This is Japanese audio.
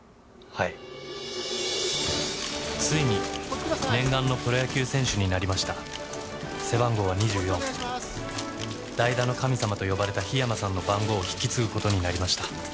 はいついに念願のプロ野球選手になりました背番号は２４代打の神様と呼ばれた桧山さんの番号を引き継ぐことになりました